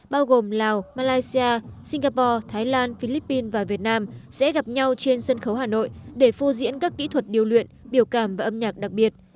bao gồm lào malaysia singapore thái lan philippines và việt nam sẽ gặp nhau trên sân khấu hà nội để phô diễn các kỹ thuật điều luyện biểu cảm và âm nhạc đặc biệt